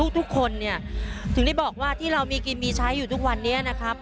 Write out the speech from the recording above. ทุกคนเนี่ยถึงได้บอกว่าที่เรามีกินมีใช้อยู่ทุกวันนี้นะครับ